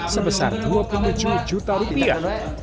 sebesar dua puluh tujuh juta rupiah